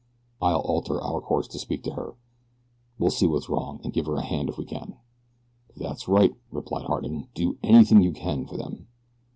I'll alter our course and speak to her we'll see what's wrong, and give her a hand if we can." "That's right," replied Harding; "do anything you can for them."